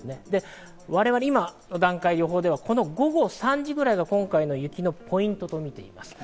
我々、今の段階の予報では午後３時ぐらいが、この雪のポイントと見ています。